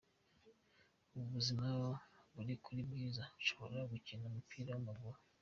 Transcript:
Ubu ubuzima buri kuba bwiza nshobora no gukina umupira w’amaguru.